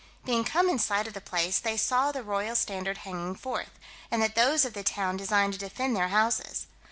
Being come in sight of the place, they saw the royal standard hanging forth, and that those of the town designed to defend their houses.